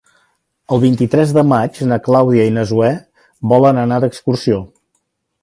El vint-i-tres de maig na Clàudia i na Zoè volen anar d'excursió.